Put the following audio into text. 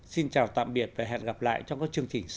xin chào tạm biệt và hẹn gặp lại trong các chương trình sau